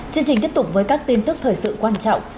chương trình tiếp tục với các tin tức thời sự quan trọng